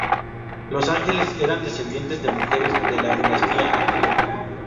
Los Angeles eran descendientes de mujeres de la dinastía anterior.